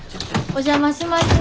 お邪魔します。